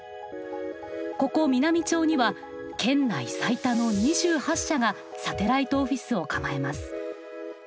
ここ美波町には県内最多の２８社がサテライトオフィスを構えます。